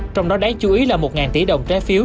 trong đó đáng chú ý là một tỷ đồng trái phiếu